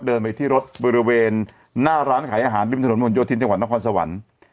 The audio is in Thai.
เดินไปที่รถบริเวณหน้าร้านขายอาหารริมถนนมนโยธินจังหวัดนครสวรรค์